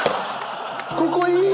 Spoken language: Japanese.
「ここいい！」。